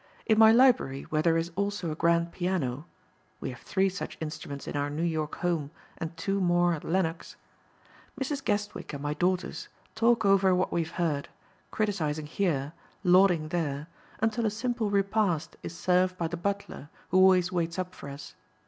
In my library where there is also a grand piano we have three such instruments in our New York home and two more at Lenox Mrs. Guestwick and my daughters talk over what we have heard, criticizing here, lauding there, until a simple repast is served by the butler who always waits up for us.